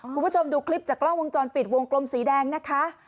คุณผู้ชมดูคลิปจากกล้องวงจรปิดวงกลมสีแดงนะคะ